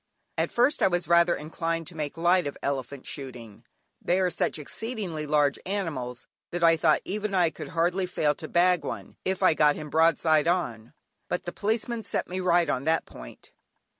At first I was rather inclined to make light of elephant shooting, they are such exceedingly large animals that I thought even I could hardly fail to bag one if I got him broadside on; but the Policeman set me right on that point.